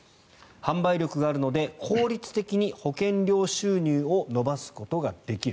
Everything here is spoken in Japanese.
販売力があるので効率的に保険料収入を伸ばすことができる。